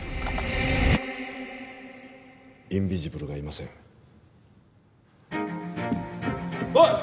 インビジブルがいませんおい！